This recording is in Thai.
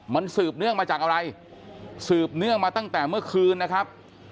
มันสืบเนื่องมาจากอะไรสืบเนื่องมาตั้งแต่เมื่อคืนนะครับ